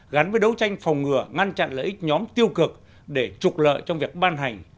gắn với đấu tranh phòng ngừa ngăn chặn lợi ích nhóm tiêu cực để trục lợi trong việc ban hành